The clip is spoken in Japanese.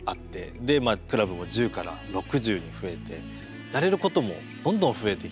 でクラブも１０から６０に増えてやれることもどんどん増えてきて。